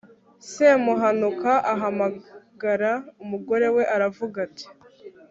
semuhanuka ahamagara umugore we aravuga ati